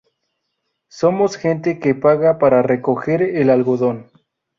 Somos gente que paga para recoger el algodón".